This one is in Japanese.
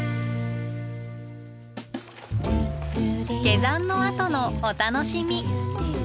下山のあとのお楽しみ。